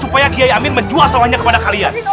supaya giayamin menjuaskan dia kepada kalian